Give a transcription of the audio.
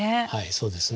そうですね。